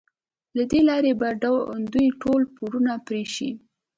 له دې لارې به د دوی ټول پورونه پرې شي.